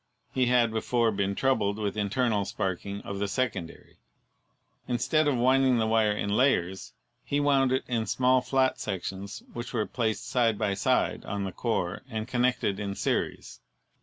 He had before been troubled with internal sparking of the secondary. Instead of wind ing the wire in layers, he wound it in small flat sections which were placed side by side on the core and connected in series.